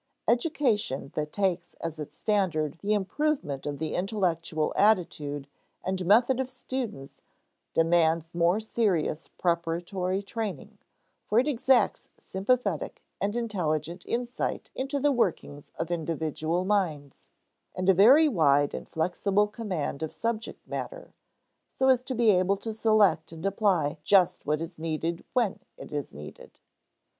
Education that takes as its standard the improvement of the intellectual attitude and method of students demands more serious preparatory training, for it exacts sympathetic and intelligent insight into the workings of individual minds, and a very wide and flexible command of subject matter so as to be able to select and apply just what is needed when it is needed.